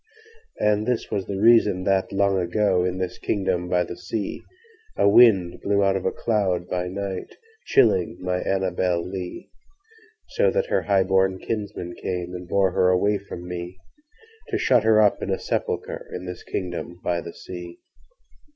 And this was the reason that, long ago, In this kingdom by the sea,A wind blew out of a cloud, chillingMy beautiful ANNABEL LEE; So that her high born kinsmen cameAnd bore her away from me, To shut her up in a sepulchreIn this kingdom by the sea.